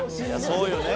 そうよね。